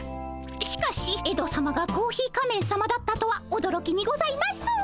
しかしエドさまがコーヒー仮面さまだったとはおどろきにございます。